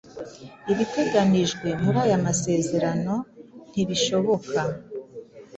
ibiteganijwe muri aya masezerano ntibishoboka